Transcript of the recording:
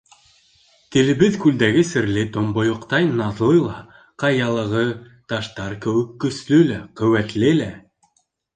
Телебеҙ күлдәге серле томбойоҡтай наҙлы ла, ҡаялағы таштар кеүек көслө лә, ҡеүәтле лә.